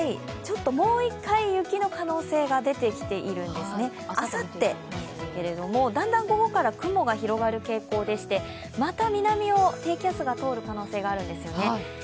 もう１回雪の可能性が出てきているんですね、あさってですが、だんだん午後から雲が広がる傾向でして、また南を低気圧が通る可能性があるんですよね。